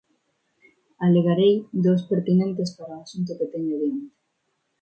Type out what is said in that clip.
Alegarei dous pertinentes para o asunto que teño diante.